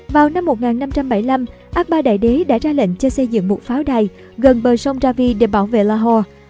vào năm một nghìn năm trăm bảy mươi năm akbar đại đế đã ra lệnh cho xây dựng một pháo đài gần bờ sông ravi để bảo vệ lohore